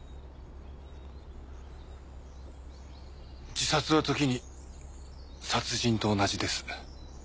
自殺は時に殺人と同じです。